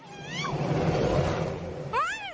ใช่